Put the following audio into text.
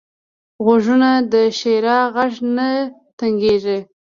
غوږونه د ښیرا غږ نه تنګېږي